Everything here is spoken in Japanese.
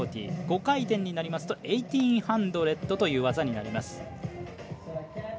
５回転になりますと１８００という技になります。